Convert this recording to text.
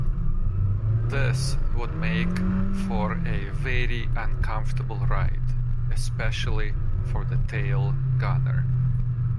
This would make for a very uncomfortable ride, especially for the tail gunner.